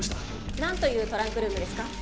何というトランクルームですか？